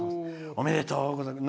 おめでとうございます。